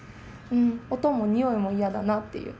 音もにおいも嫌だなっていう。